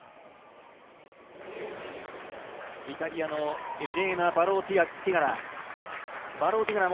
イタリアのエレーナ・バローティガラ。